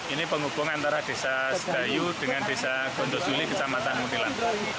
ini penghubung antara desa sedayu dengan desa godo suli kecamatan muntilan